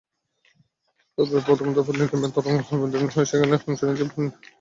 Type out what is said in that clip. তবে প্রথম দফার নিলামে তরঙ্গ অবিক্রীত থাকলে সেখানে অংশ নিতে পারবে অপারেটরটি।